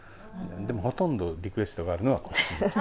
でもほとんど、リクエストがあるのは。